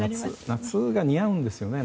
夏が似合うんですよね